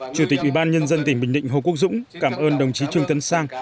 chủ tịch ủy ban nhân dân tỉnh bình định hồ quốc dũng cảm ơn đồng chí trương tấn sang